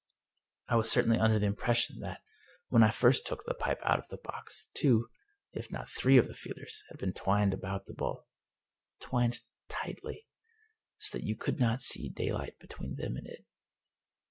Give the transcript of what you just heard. I was certainly under the impression that, when I first took the pipe out of the box, two, if not three of the feelers had been twined about the bowl — ^twined tightly, so that you could not see daylight between them and it.